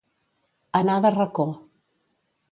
Anar de racó.